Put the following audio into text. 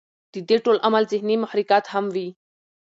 د دې ټول عمل ذهني محرکات هم وي